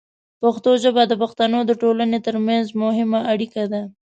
پښتو ژبه د پښتنو د ټولنې ترمنځ مهمه اړیکه ده.